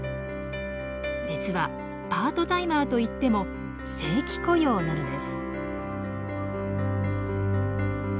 実はパートタイマーといっても正規雇用なのです。